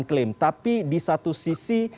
klaim tapi di satu sisi